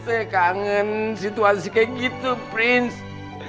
saya kangen situasi kayak gitu prince